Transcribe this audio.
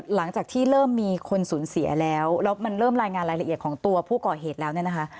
หลังจากที่เริ่มมีคนสูญเสียแล้วแล้วมันเริ่มรายงานรายละเอียดของตัวผู้ก่อเหตุแล้วเนี่ยนะคะ